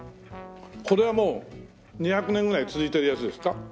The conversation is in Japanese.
これはもう２００年ぐらい続いてるやつですか？